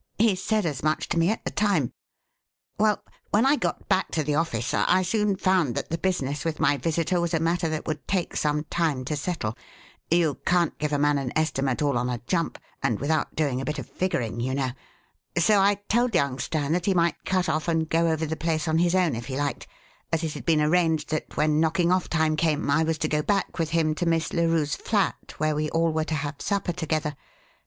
He said as much to me at the time. "Well, when I got back to the office, I soon found that the business with my visitor was a matter that would take some time to settle you can't give a man an estimate all on a jump, and without doing a bit of figuring, you know so I told young Stan that he might cut off and go over the place on his own, if he liked, as it had been arranged that, when knocking off time came, I was to go back with him to Miss Larue's flat, where we all were to have supper together.